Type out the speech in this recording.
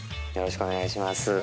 よろしくお願いします